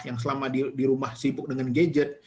yang selama di rumah sibuk dengan gadget